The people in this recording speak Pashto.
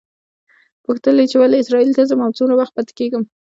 پوښتل یې چې ولې اسرائیلو ته ځم او څومره وخت پاتې کېږم.